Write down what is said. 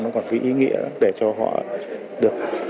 nó còn có ý nghĩa để cho họ được tạo được điều kiện